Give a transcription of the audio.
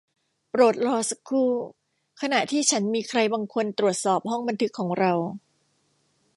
โปรดรอสักครู่ขณะที่ฉันมีใครบางคนตรวจสอบห้องบันทึกของเรา